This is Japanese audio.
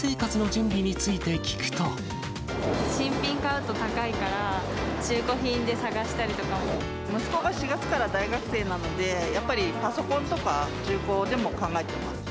新品買うと高いから、中古品息子が４月から大学生なので、やっぱりパソコンとか、中古でも考えてます。